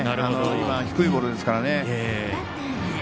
今、低いボールですからね。